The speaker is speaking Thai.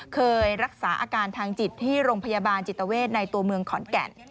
เคยรักษาอาการทางจิตที่โรงพยาบาลจิตเวทในตัวเมืองขอนแก่น